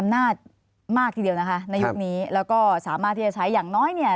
ในยุคนี้แล้วก็สามารถที่จะใช้อย่างน้อยเนี่ย